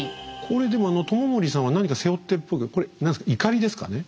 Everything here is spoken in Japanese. これでも知盛さんは何か背負ってるっぽいけどこれなんすかいかりですかね？